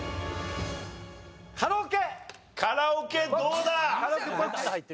カラオケどうだ？